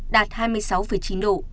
đạt hai mươi sáu chín độ